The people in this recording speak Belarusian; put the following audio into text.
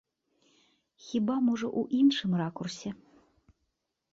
Хіба, можа, у іншым ракурсе.